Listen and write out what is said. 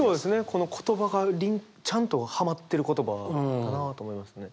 この言葉がちゃんとはまってる言葉だなと思いますね。